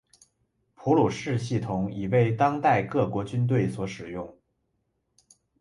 普鲁士系统已为当代各国军队所使用。